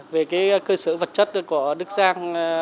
về cái cơ sở vật chất của đức giang